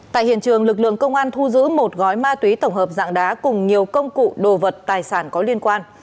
tại hiện trường lực lượng công an thu giữ một gói ma túy tổng hợp dạng đá cùng nhiều công cụ đồ vật tài sản có liên quan